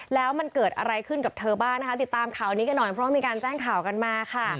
แล้วมันเกิดอะไรขึ้นกับเธอบ้างนะคะติดตามข่าวนี้กันหน่อยเพราะว่ามีการแจ้งข่าวกันมาค่ะ